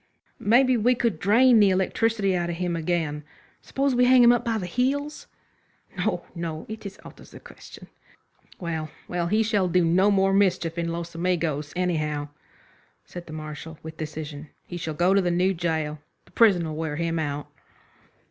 "Maybe we could drain the electricity out of him again. Suppose we hang him up by the heels?" "No, no, it's out of the question." "Well, well, he shall do no more mischief in Los Amigos, anyhow," said the Marshal, with decision. "He shall go into the new gaol. The prison will wear him out."